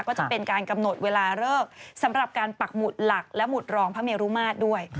ก็จะเป็นการกำหนดเวลาเลิกสำหรับการปักหมุดหลักและหุดรองพระเมรุมาตรด้วย